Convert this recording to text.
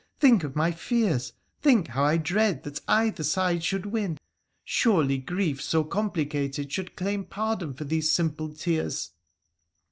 Think of my fears, think how I dread that either side should win — surely grief so complicated should claim pardon for these simple tears.'